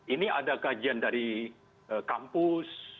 ini ada kajian dari kampus